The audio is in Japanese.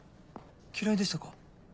嫌いでしたか？